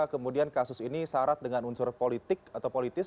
kemudian kasus ini syarat dengan unsur politik atau politis